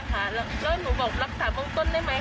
ใช่ค่ะแล้วหนูบอกรักษาวงต้นได้ไหม